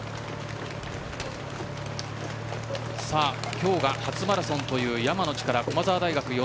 今日が初マラソンという山野力です。